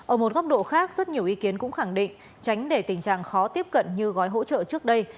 ở một góc độ khác rất nhiều ý kiến cũng khẳng định tránh để tình trạng khó tiếp cận như gói hỗ trợ trước đây